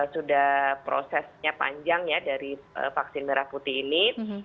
sudah prosesnya panjang ya dari vaksin merah putih ini